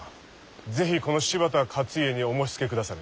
是非この柴田勝家にお申しつけくだされ。